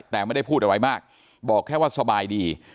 แต่ไม่ได้พูดอะไรมากบอกแค่ว่าสบายดี